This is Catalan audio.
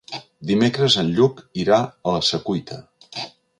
Dimecres en Lluc irà a la Secuita.